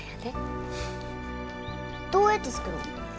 どうやって作るん？